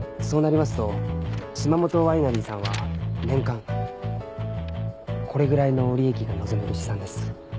そうなりますと島本ワイナリーさんは年間これぐらいの利益が望める試算です。